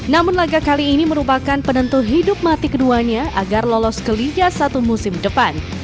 namun laga kali ini merupakan penentu hidup mati keduanya agar lolos ke liga satu musim depan